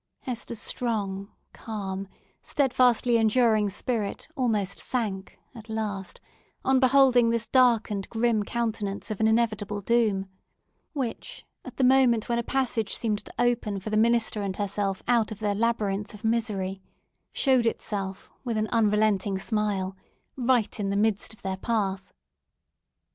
Hester's strong, calm steadfastly enduring spirit almost sank, at last, on beholding this dark and grim countenance of an inevitable doom, which at the moment when a passage seemed to open for the minister and herself out of their labyrinth of misery—showed itself with an unrelenting smile, right in the midst of their path.